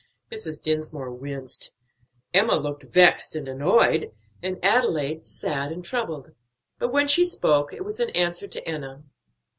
Mrs. Dinsmore winced, Enna looked vexed and annoyed, and Adelaide sad and troubled; but when she spoke it was in answer to Enna.